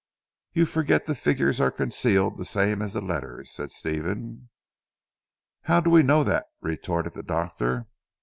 "You forget the figures are concealed the same as the letters," said Stephen. "How do we know that," retorted the doctor.